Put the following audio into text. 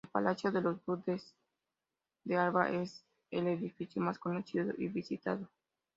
El Palacio de los duques de Alba es el edificio más conocido y visitado.